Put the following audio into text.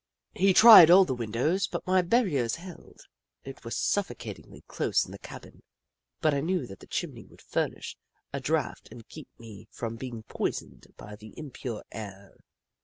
He tried all the windows, but my barriers held. It was suffocatingly close in the cabin, but I knew that the chimney would furnish a draft and keep me from being poisoned by the impure air.